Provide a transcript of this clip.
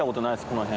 この辺。